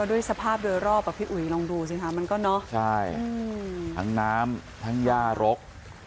ด้วยสภาพเดอรอบแคะงจะลองดูใช่ครับทั้งน้ำทั้งย่าหรก